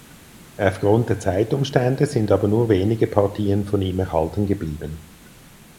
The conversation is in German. Aufgrund der Zeitumstände sind aber nur wenige Partien von ihm erhalten geblieben.